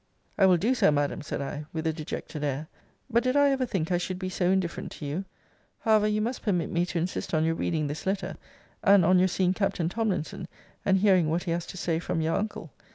I will do so, Madam, said I, with a dejected air. But did I ever think I should be so indifferent to you? However, you must permit me to insist on your reading this letter; and on your seeing Captain Tomlinson, and hearing what he has to say from your uncle.